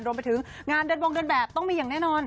รวมไปถึงงานเดินวงเดินแบบต้องมีอย่างแน่นอน